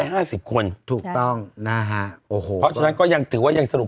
ห้าสิบคนถูกต้องนะฮะโอ้โหเพราะฉะนั้นก็ยังถือว่ายังสรุป